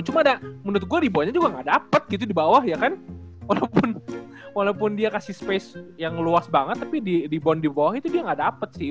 cuma ada menurut gue ribuannya juga gak dapet gitu di bawah ya kan walaupun dia kasih space yang luas banget tapi di bond di bawah itu dia nggak dapat sih